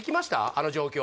あの状況